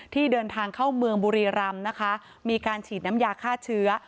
ที่เดินทางเข้าเมืองบุรีรำนะคะมีการฉีดน้ำยาฆ่าเชื้อ